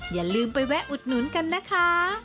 อย่าลืมไปแวะอุดหนุนกันนะคะ